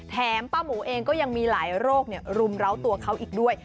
ป้าหมูเองก็ยังมีหลายโรครุมร้าวตัวเขาอีกด้วย